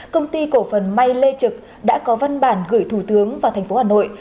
công ty cổ phần may lê trực đã có văn bản gửi thủ tướng vào thành phố hà nội